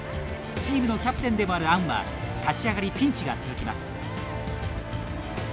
チームのキャプテンでもあるアンは立ち上がりピンチが続きます。